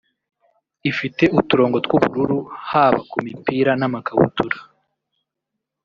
ifite uturongo tw’ubururu haba ku mipira n’amakabutura